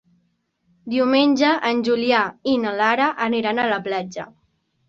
Diumenge en Julià i na Lara aniran a la platja.